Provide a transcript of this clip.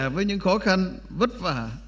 với những khó khăn vất vả